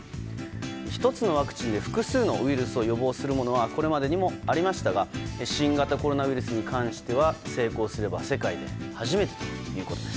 １つのワクチンで複数のウイルスを予防するものはこれまでにもありましたが新型コロナウイルスに関しては成功すれば世界で初めてということです。